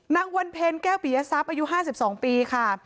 นางวันเพ็ญแก้วปียทรัพย์อายุ๕๒ปีค่ะ